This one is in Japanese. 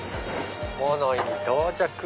物井に到着！